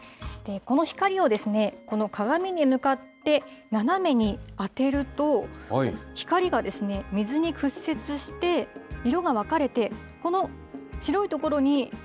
この光をこの鏡に向かって斜めに当てると、光が水に屈折して、色が分かれて、え？